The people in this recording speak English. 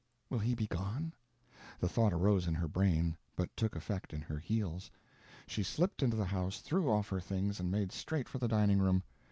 Will he be gone? The thought arose in her brain, but took effect in her heels. She slipped into the house, threw off her things and made straight for the dining room.